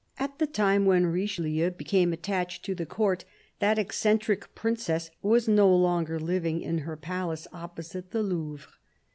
At the time when Richelieu became attached to the Court, that eccentric princess was no longer living in her palace opposite the Louvre.